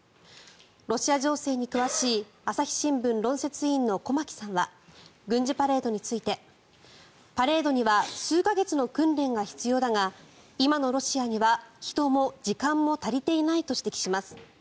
ロシア情勢に詳しい朝日新聞論説委員の駒木さんは軍事パレードについてパレードには数か月の訓練が必要だが今のロシアには人も時間も足りていないと指摘します。